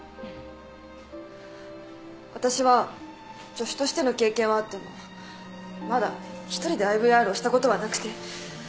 私は助手としての経験はあってもまだ一人でＩＶＲをしたことはなくて。